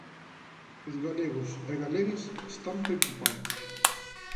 Os galegos e galegas están preocupados.